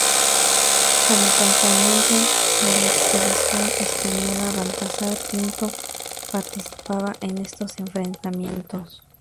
Como componente de la expedición española Baltasar Pinto participaba en estos enfrentamientos.